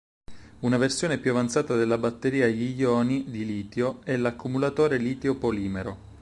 Una versione più avanzata della batteria agli ioni di litio è l'accumulatore litio-polimero.